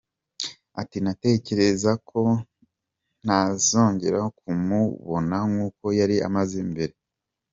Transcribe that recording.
Ati “Natekerezaga ko ntazongera kumubona nk’uko yari amaze mbere.